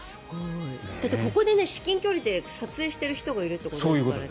ここで至近距離で撮影している人がいるってことですからね。